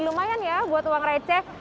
lumayan ya buat uang receh